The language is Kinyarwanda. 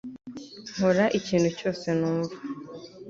nkora ikintu cyose numva